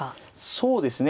そうですね。